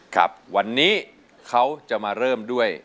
ครับวันนี้เขาจะมาเริ่มด้วย